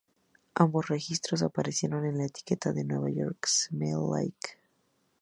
Ambos registros aparecieron en la etiqueta de Nueva York Smells Like.